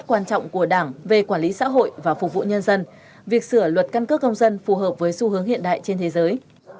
quan trọng của đảng về quản lý xã hội và phục vụ nhân dân việc sửa luật căn cước công dân phù hợp với xu hướng hiện đại trên thế giới